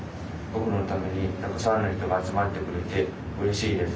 僕のためにたくさんの人が集まってくれてうれしいです。